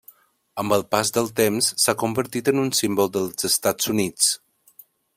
Amb el pas del temps s'ha convertit en un símbol dels Estats Units.